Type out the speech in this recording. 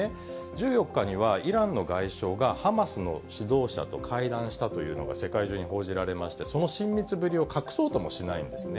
１４日には、イランの外相がハマスの指導者と会談したというのが世界中に報じられまして、その親密ぶりを隠そうともしないんですね。